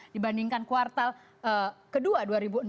dibandingkan kuartal kedua dua ribu dua puluh